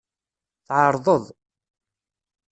Tɛeṛḍeḍ.